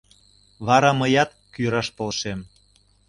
Вара мыят кӱраш полшем.